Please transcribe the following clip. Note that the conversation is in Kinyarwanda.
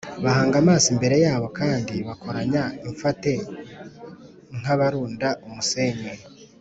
bahanga amaso imbere yabo kandi bakoranya imfate nk’abarunda umusenyi